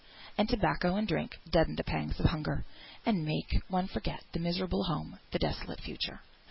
Tobacco and drink deaden the pangs of hunger, and make one forget the miserable home, the desolate future.